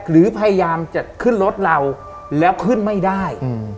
หรือพยายามจะขึ้นรถเราแล้วขึ้นไม่ได้